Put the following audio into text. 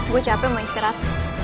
gue capek mau istirahat